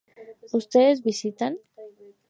Ustedes visitan